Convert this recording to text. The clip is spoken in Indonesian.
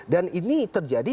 dan ini terjadi